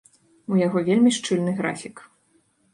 У яго вельмі шчыльны графік.